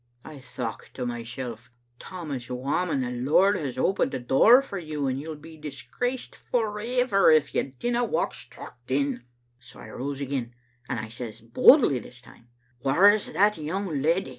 ' "I thocht to mysel', 'Tammas Whamond, the Lord has opened a door to you, and you'll be disgraced for ever if you dinna walk straucht in. ' So I rose again, and I says, boldly this time, ' Whaur's that young leddy?